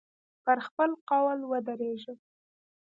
پر خپل قول ودرېږم.